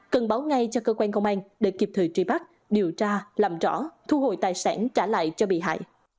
cần báo ngay cho cơ quan công an để kịp thời trì bắt điều tra làm rõ thu hồi tài sản trả lại cho bị hại